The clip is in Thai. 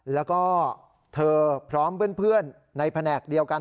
แล้วก็เธอพร้อมเพื่อนในแผนกเดียวกัน